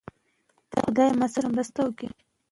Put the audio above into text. درمل د مېګرین لپاره ځانګړي شوي دي.